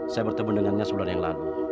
saya bertemu dengannya sebulan yang lalu